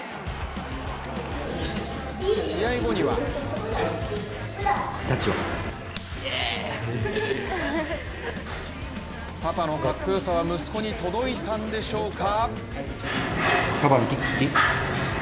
試合後にはパパのかっこよさは息子に届いたんでしょうか。